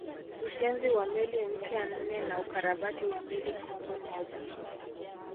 Ujenzi wa meli mpya nne na ukarabati wa meli kongwe moja